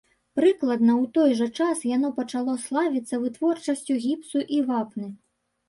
Прыкладна ў той жа час яно пачало славіцца вытворчасцю гіпсу і вапны.